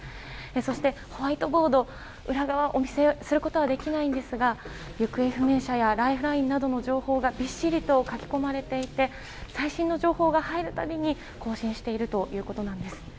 そしてホワイトボードの裏側をお見せすることはできないんですが行方不明者やライフラインなどの情報がびっしりと書き込まれていて最新の情報が入る度に更新しているということです。